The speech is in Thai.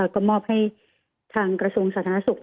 ก็มอบให้ทางกระทรวงสาธารณสุข